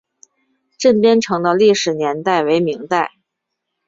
镇边城的历史年代为明代。